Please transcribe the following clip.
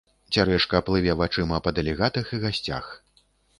Цярэшка плыве вачыма па дэлегатах і гасцях.